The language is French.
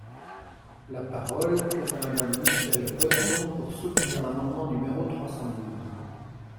La parole est à Madame Michèle Bonneton, pour soutenir l’amendement numéro trois cent douze.